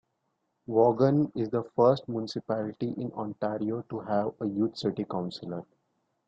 Vaughan is the first municipality in Ontario to have a Youth City Councillor.